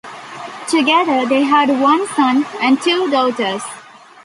Together they had one son and two daughters.